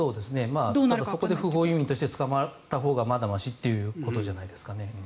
そこで不法移民として捕まったほうがまだましということじゃないですかね。